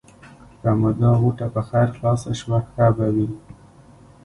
که مو دا غوټه په خیر خلاصه شوه؛ ښه به وي.